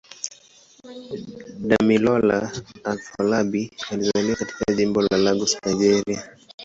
Damilola Afolabi alizaliwa katika Jimbo la Lagos, Nigeria.